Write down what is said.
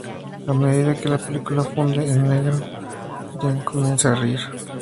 A medida que la película funde en negro, Jan comienza a reír.